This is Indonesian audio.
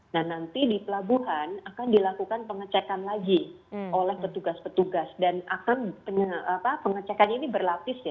nah nanti di pelabuhan akan dilakukan pengecekan lagi oleh petugas petugas dan akan pengecekannya ini berlapis ya